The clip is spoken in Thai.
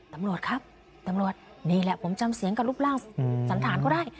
ตำรวจครับตำรวจนี่แหละผมจำเสียงกับรูปร่างสันฐานเขาได้